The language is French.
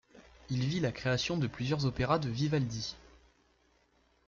Il vit la création de plusieurs opéras de Vivaldi.